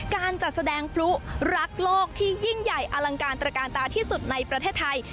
การจัดแสดงพลุรักโลกที่ยิ่งใหญ่อลังการตระการตาที่สุดในประเทศไทย